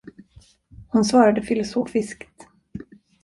Hon svarade filosofiskt.